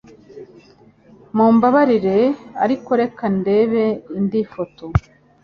Mumbabarire ariko reka ndebe indi foto